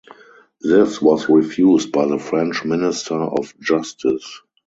This was refused by the French Minister of Justice.